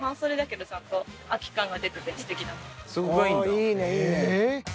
おおいいねいいね。